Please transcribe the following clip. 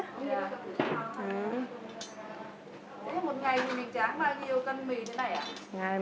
thế một ngày thì mình tráng bao nhiêu cân mì thế này ạ